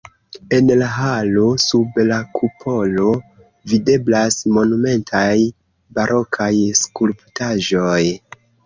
En la halo sub la kupolo videblas monumentaj barokaj skulptaĵoj.